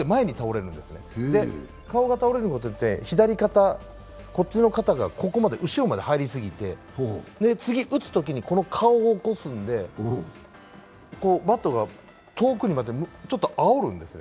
顔が倒れることによって、左肩が後ろまで入りすぎて、次、打つときに顔を起こすんでバットが遠くにまでちょっとあおるんですね。